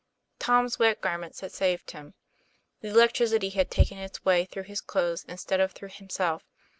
Tom's wet garments had saved him. The elec tricity had taken its way through his clothes instead of through himself.